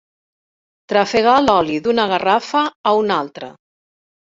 Trafegar l'oli d'una garrafa a una altra.